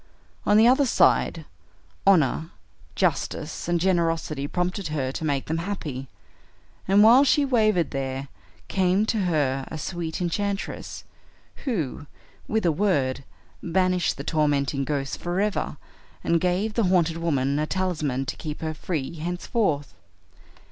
On the other side, honor, justice, and generosity prompted her to make them happy, and while she wavered there came to her a sweet enchantress who, with a word, banished the tormenting ghosts forever, and gave the haunted woman a talisman to keep her free henceforth."